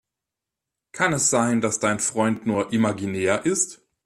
Kann es sein, dass dein Freund nur imaginär ist?